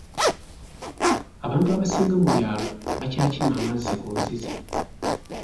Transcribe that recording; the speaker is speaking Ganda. Abantu abasinga mu byalo bakyakima amazzi ku nzizi.